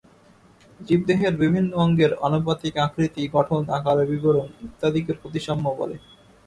জীবদেহের বিভিন্ন অঙ্গের আনুপাতিক আকৃতি, গঠন, আকারের বিবরণ ইত্যাদিকে প্রতিসাম্য বলে।